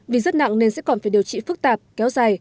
vì rất nặng nên sẽ còn phải điều trị phức tạp kéo dài